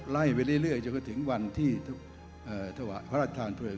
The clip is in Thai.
แล้วเร่ยจะถึงวันที่พระอัฐธานเผลิง